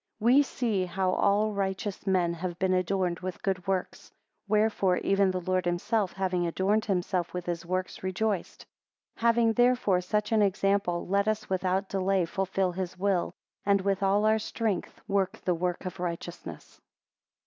10 We see how all righteous men have been adorned with good works Wherefore even the Lord himself, having adorned himself with his works, rejoiced. 11 Having therefore such an example, let us without delay, fulfil his will; and with all our strength, work the work of righteousness.